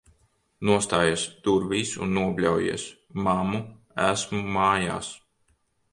Nostājies durvīs un nobļaujies: "Mammu, esmu mājās!"